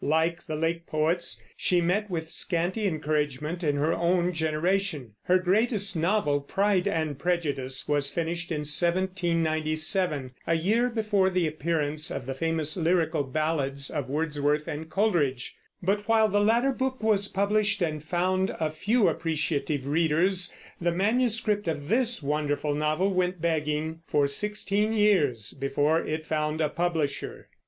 Like the Lake poets, she met with scanty encouragement in her own generation. Her greatest novel, Pride and Prejudice, was finished in 1797, a year before the appearance of the famous Lyrical Ballads of Wordsworth and Coleridge; but while the latter book was published and found a few appreciative readers, the manuscript of this wonderful novel went begging for sixteen years before it found a publisher.